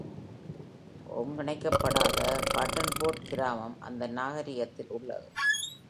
ஒங்கிணைக்கப்படாத Buttonwood கிராமம் அந்த நகரீயத்தில் உள்ளது.